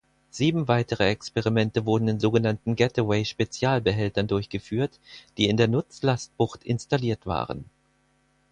Sieben weitere Experimente wurden in sogenannten Getaway-Spezialbehältern durchgeführt, die in der Nutzlastbucht installiert waren.